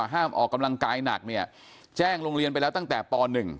ออกกำลังกายหนักเนี่ยแจ้งโรงเรียนไปแล้วตั้งแต่ป๑